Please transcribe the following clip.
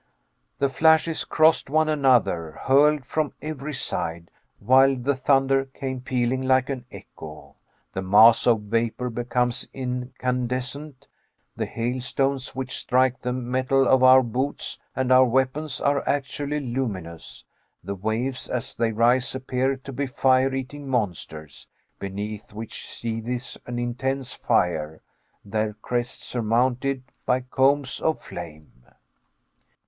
The flashes crossed one another, hurled from every side; while the thunder came pealing like an echo. The mass of vapor becomes incandescent; the hailstones which strike the metal of our boots and our weapons are actually luminous; the waves as they rise appear to be fire eating monsters, beneath which seethes an intense fire, their crests surmounted by combs of flame.